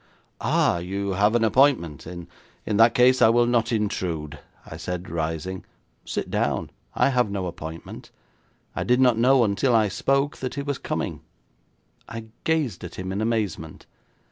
'Ah, you have an appointment. In that case I will not intrude,' I said, rising. 'Sit down; I have no appointment. I did not know until I spoke that he was coming.' I gazed at him in amazement.